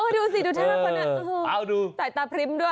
ดูสิดูแทนธรรมนั้นใส่ตาพริมด้วย